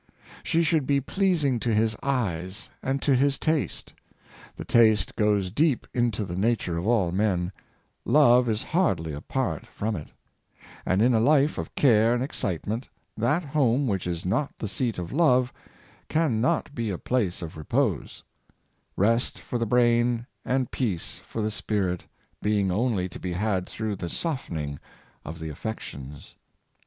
''She should be pleasing to his eyes and to his taste; the taste goes deep into the nature of all men — love is hardly apart from it; and in a life of care and excite ment, that home which is not the seat of love can not be a place of repose — rest for the brain, and peace for the spirit, being only to be had through the softening of the affections.